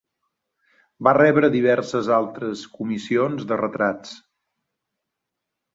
Va rebre diverses altres comissions de retrats.